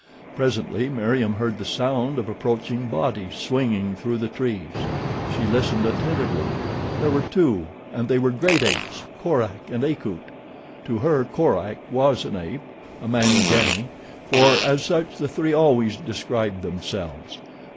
Presently Meriem heard the sound of approaching bodies swinging through the trees. She listened attentively. There were two and they were great apes—Korak and Akut. To her Korak was an ape—a Mangani, for as such the three always described themselves.